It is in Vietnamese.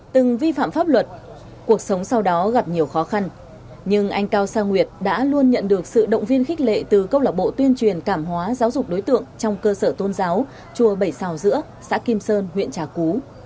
từng vi phạm pháp luật cuộc sống sau đó gặp nhiều khó khăn nhưng anh cao sa nguyệt đã luôn nhận được sự động viên khích lệ từ câu lạc bộ tuyên truyền cảm hóa giáo dục đối tượng trong cơ sở tôn giáo chùa bảy sao giữa xã kim sơn huyện trà cú